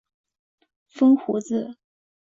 风胡子。